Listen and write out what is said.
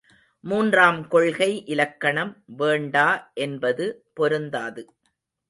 மூன்றாம் கொள்கை இலக்கணம் வேண்டா என்பது பொருந்தாது.